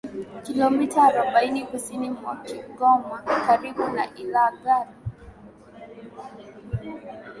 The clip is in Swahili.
kilomita arobaini kusini mwa Kigoma karibu na Ilagala